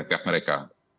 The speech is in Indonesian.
dari pihak mereka